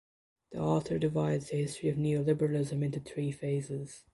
The author divides the history of neoliberalism into three phases.